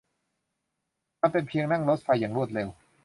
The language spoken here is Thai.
มันเป็นเพียงนั่งรถไฟอย่างรวดเร็ว